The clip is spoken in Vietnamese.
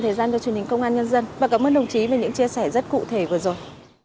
thời gian cho truyền hình công an nhân dân và cảm ơn đồng chí về những chia sẻ rất cụ thể vừa rồi